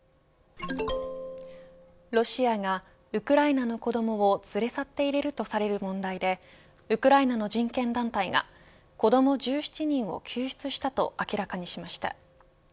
ロシアがウクライナの子どもを連れ去っているとされる問題でウクライナの人権団体が子ども１７人を救出したと明らかにしました。